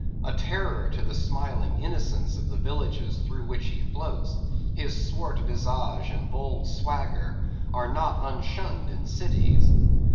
A terror to the smiling innocence of the villages through which he floats; his swart visage and bold swagger are not unshunned in cities.